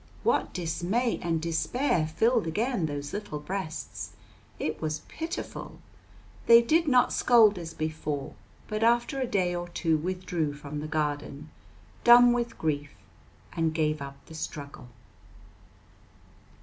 What dismay and despair filled again those little breasts! It was pitiful. They did not scold as before, but after a day or two withdrew from the garden, dumb with grief, and gave up the struggle.